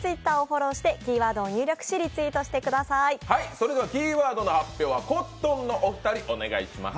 それでは、キーワードの発表はコットンのお二人、お願いします。